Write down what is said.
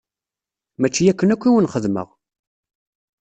Mačči akken akk i wen-xedmeɣ!